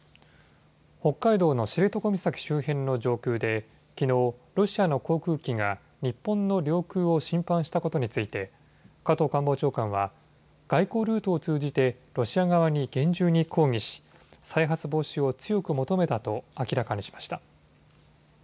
北海道の知床岬周辺の上空できのう、ロシアの航空機が日本の領空を侵犯したことについて加藤官房長官は外交ルートを通じてロシア側に厳重に抗議し再発防止を強く求めたと明らかにしました。